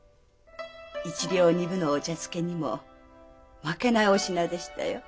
１両２分のお茶漬けにも負けないお品でしたよ。